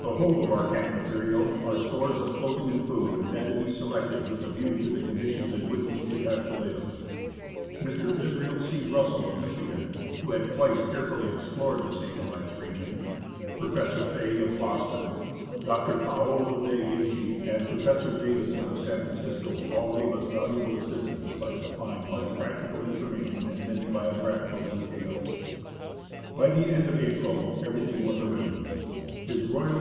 The whole of our camp material, our stores of clothing and food, had to be selected with a view to the conditions in which we should have to live. Mr. Israel C. Russell, of Michigan (who had twice carefully explored the St. Elias region) ; Professor Fay, of Boston ; Dr. Paolo De Vecchi, and Professor Davidson, of San Francisco, all gave us valuable assistance by supplying much practical information and many bibliographical details. 3 THE ASCENT OF MOUNT ST. ELIAS By the end of April everything was arranged. H.R.H.